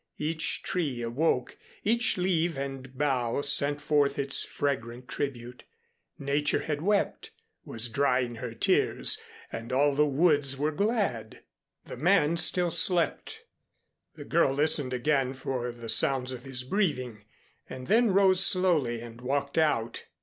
Each tree awoke; each leaf and bough sent forth its fragrant tribute. Nature had wept, was drying her tears; and all the woods were glad. The man still slept. The girl listened again for the sounds of his breathing, and then rose slowly and walked out.